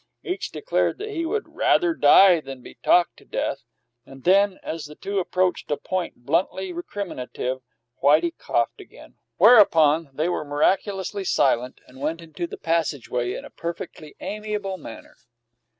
Each declared that he would "rather die than be talked to death"; and then, as the two approached a point bluntly recriminative, Whitey coughed again, whereupon they were miraculously silent, and went into the passageway in a perfectly amiable manner.